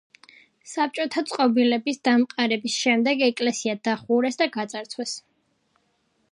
საბჭოთა წყობილების დამყარების შემდეგ ეკლესია დახურეს და გაძარცვეს.